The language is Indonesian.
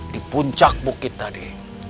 di puncak bukit tadi